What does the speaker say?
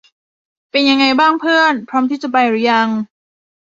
เป็นยังไงบ้างเพื่อน พร้อมที่จะไปหรือยัง ?